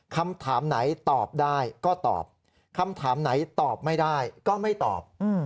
คำถามไหนตอบได้ก็ตอบคำถามไหนตอบไม่ได้ก็ไม่ตอบ